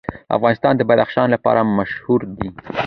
افغانستان د بدخشان لپاره مشهور دی.